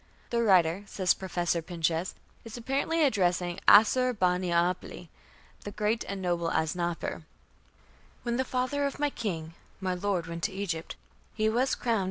"The writer", says Professor Pinches, "is apparently addressing Assur bani apli, 'the great and noble Asnapper': "When the father of my king my lord went to Egypt, he was crowned